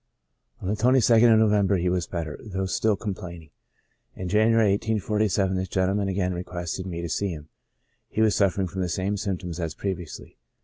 On the 22nd of November he was better, though still complaining. In January, 1847, ^^^^ gentleman again requested me to see him ; he was suffering from the same symptoms as previously.